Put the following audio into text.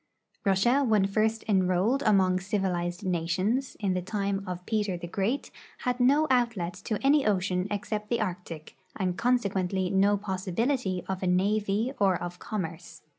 Russia when first enrolled among civilized nations, in the time of Peter the Great, had no outlet to any ocean except the Arctic, and consequently no possibility of a navy or of commerce.